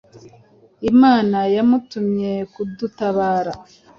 Imana yamutumye kudutabara